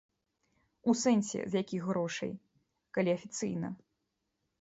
У сэнсе, з якіх грошай, калі афіцыйна?